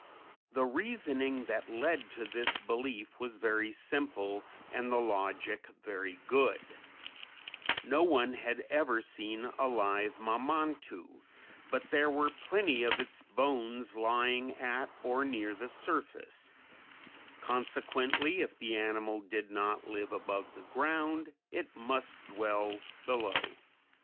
The reasoning that led to this belief was very simple and the logic very good; no one had ever seen a live Mamantu, but there were plenty of its bones lying at or near the surface; consequently if the animal did not live above the ground, it must dwell below.